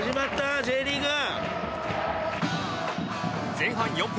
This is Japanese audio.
前半４分